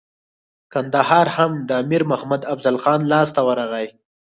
کندهار هم د امیر محمد افضل خان لاسته ورغی.